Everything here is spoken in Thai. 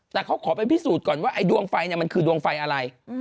แต่เขาขอไปพิสูจน์ก่อนว่าไอ้ดวงไฟมันคือดวงไฟอะไร